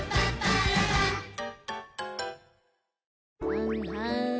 はんはん。